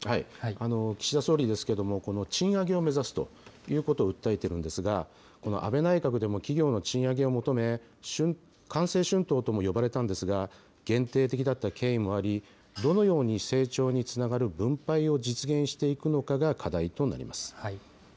岸田総理ですけれども、この賃上げを目指すということを訴えてるんですが、安倍内閣でも企業の賃上げを求め、官製春闘とも呼ばれたんですが、限定的だった経緯もあり、どのように成長につながる分配を実現していくのかが課題となりま